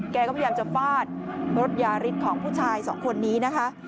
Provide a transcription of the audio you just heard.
แกก็พยายามจะฟาดรถยาฤทธิ์ของผู้ชายสองคนนี้นะคะ